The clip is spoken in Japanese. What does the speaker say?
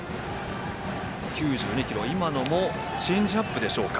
９２キロ、今のもチェンジアップでしょうか。